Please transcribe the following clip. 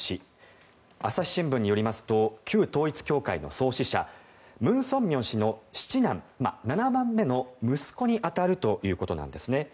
朝日新聞によりますと旧統一教会の創始者文鮮明氏の七男７番目の息子に当たるということなんですね。